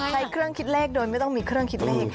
ใช้เครื่องคิดเลขโดยไม่ต้องมีเครื่องคิดเลข